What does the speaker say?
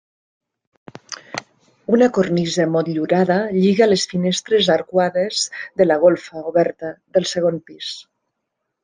Una cornisa motllurada lliga les finestres arcuades de la golfa oberta del segon pis.